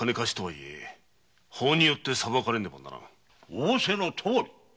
仰せのとおり。